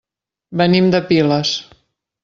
Venim de Piles.